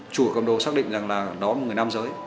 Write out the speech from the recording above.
chủ cầm đồ xác định rằng đó là một người nam giới